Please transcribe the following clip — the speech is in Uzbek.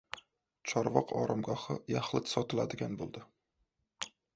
"Chorvoq oromgohi" yaxlit sotiladigan bo‘ldi